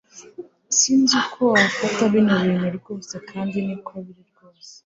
sinz uko wafata bino bintu rwose kandi niko biri rwose